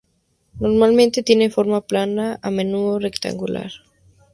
Normalmente tiene forma plana, a menudo rectangular.